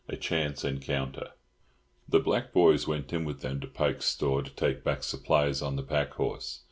A CHANCE ENCOUNTER. The black boys went in with them to Pike's store to take back supplies on the pack horse.